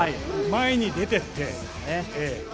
前に出て行って。